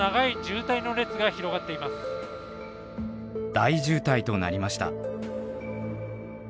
大渋滞となりました。